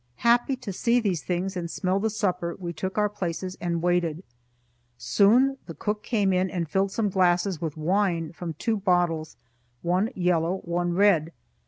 Happy to see these things, and smell the supper, we took our places and waited. Soon the cook came in and filled some glasses with wine from two bottles, one yellow, one red.